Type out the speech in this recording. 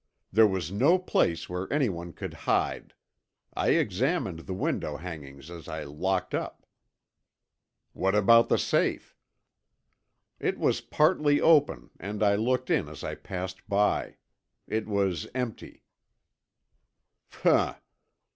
"There was no place where anyone could hide. I examined the window hangings as I locked up." "What about the safe?" "It was partly open and I looked in as I passed. It was empty." "Humph.